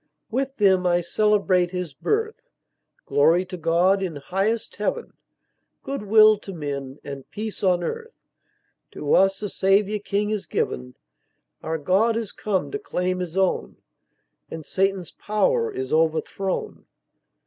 With them I celebrate His birth Glory to God, in highest Heaven, Good will to men, and peace on earth, To us a Saviour king is given; Our God is come to claim His own, And Satan's power is overthrown!